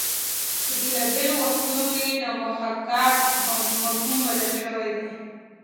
په بېلابېلو وختونو کې د محاکات مفهوم بدل شوی دی